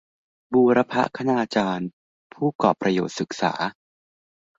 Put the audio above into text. บูรพคณาจารย์ ผู้กอปรประโยชน์ศึกษา